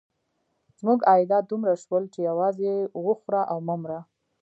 زموږ عایدات دومره شول چې یوازې وخوره او مه مره.